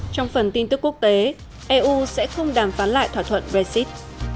trong phần tin tức quốc tế eu sẽ không đàm phán lại thỏa thuận brexit